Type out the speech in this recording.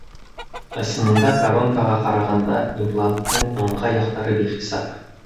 Ысынында коронкаға ҡарағанда, импланттың ыңғай яҡтары бихисап.